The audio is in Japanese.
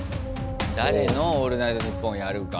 誰の「オールナイトニッポン」やるか。